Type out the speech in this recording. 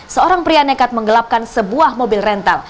seorang pria nekat menggelapkan sebuah mobil rental